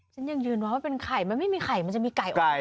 ฉันยังยืนว่ามันเป็นไข่มันไม่มีไข่มันจะมีไก่ออกมา